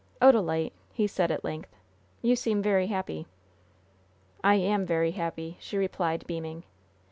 "Odalite," he said, at length, "you seem very happy." "I am very happy," she replied, beaming.